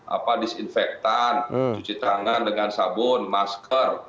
apa disinfektan cuci tangan dengan sabun masker